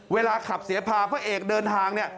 เวลาขับเสพาพระเอกเดินทางเนี่ย